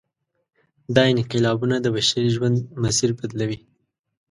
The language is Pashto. دا انقلابونه د بشري ژوند مسیر بدلوي.